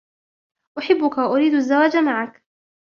أحبك وأريد الزواج معك.